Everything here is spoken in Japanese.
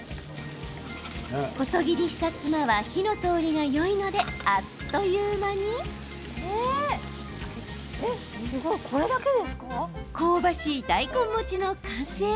細切りしたツマは火の通りがいいのであっという間に香ばしい大根餅の完成。